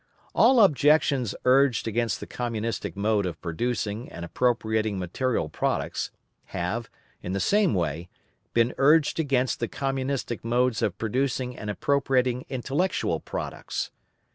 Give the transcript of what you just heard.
All objections urged against the Communistic mode of producing and appropriating material products, have, in the same way, been urged against the Communistic modes of producing and appropriating intellectual products.